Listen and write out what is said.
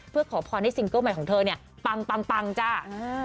เพื่อขอพรให้ซิงเกิ้ลใหม่ของเธอเนี่ยปังปังจ้า